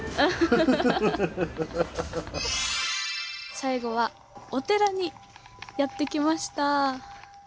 最後はお寺にやってきました！